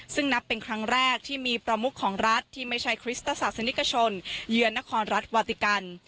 ซึ่งนับเป็นครั้งแรกที่มีประมุขของรัฐที่ไม่ใช่คริสตศาสนิกชนเยือนนครรัฐวาติกัน